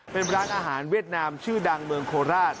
เป็นร้านอาหารเวียดนามชื่อดังเมืองโคราช